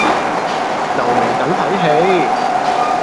留名等睇戲